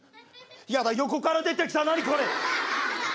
やだ横から出てきた何これ。